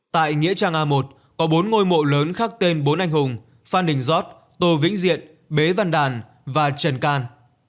tại nghĩa trang a một có bốn ngôi mộ lớn khác tên bốn anh hùng phan đình giót tô vĩnh diện bế văn đàn và trần can